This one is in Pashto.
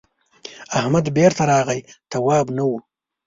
احمد بېرته راغی تواب نه و.